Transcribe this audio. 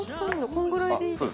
このぐらいでいいですか？